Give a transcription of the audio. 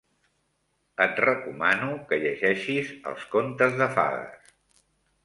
Et recomano que llegeixis els contes de fades.